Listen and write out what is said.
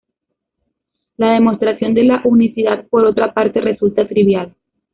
La demostración de la unicidad por otra parte resulta trivial.